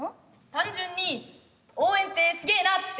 単純に応援ってすげえなって思って。